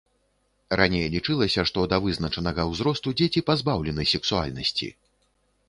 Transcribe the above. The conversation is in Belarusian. Раней лічылася, што да вызначанага ўзросту дзеці пазбаўлены сексуальнасці.